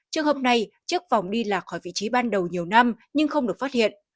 trường hợp này trước vòng đi lạc khỏi vị trí ban đầu nhiều năm nhưng không được phát hiện